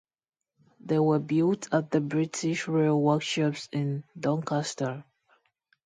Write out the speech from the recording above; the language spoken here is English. They were built at the British Rail workshops in Doncaster.